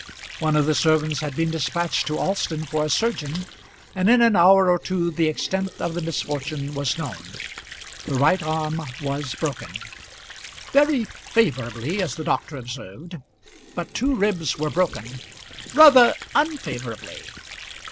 One of the servants had been despatched to Alston for a surgeon, and in an hour or two the extent of the misfortune was known. The right arm was broken "very favourably," as the doctor observed. But two ribs were broken "rather unfavourably."